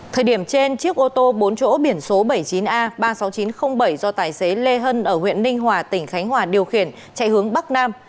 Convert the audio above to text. thời điểm trên chiếc ô tô bốn chỗ biển số bảy mươi chín a ba mươi sáu nghìn chín trăm linh bảy do tài xế lê hân ở huyện ninh hòa tỉnh khánh hòa điều khiển chạy hướng bắc nam